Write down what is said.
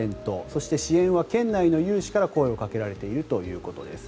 そして、支援は県内の有志から声をかけられているということです。